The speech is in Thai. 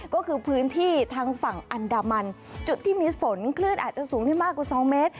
ก็คือพื้นที่ทางฝั่งอันดามันจุดที่มีฝนคลื่นอาจจะสูงได้มากกว่า๒เมตร